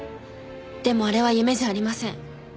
でもあれは夢じゃありません。